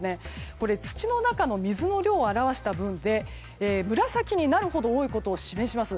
これ、土の中の水の量を表したもので紫になるほど多いことを示します。